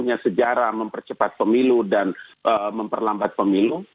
punya sejarah mempercepat pemilu dan memperlambat pemilu